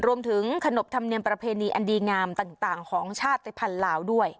ขนบธรรมเนียมประเพณีอันดีงามต่างของชาติภัณฑ์ลาวด้วย